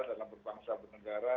dalam berbangsa bernegara